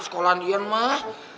sekolahan ian mak